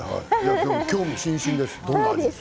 興味津々です。